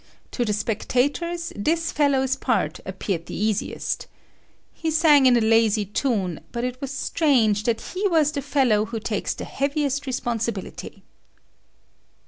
To the spectators this fellow's part appeared the easiest. He sang in a lazy tune, but it was strange that he was the fellow who takes the heaviest responsibility.